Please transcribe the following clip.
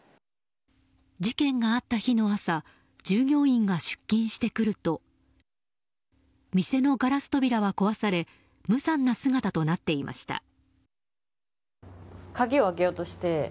事件があった日の朝従業員が出勤してくると店のガラス扉は壊され無残な姿となっていました。